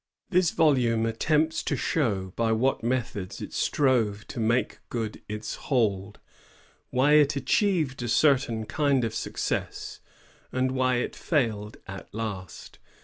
This volimie attempts to show by what methods it strove to make good its hold, why it achieved a certain kind of success, and why it failed at last.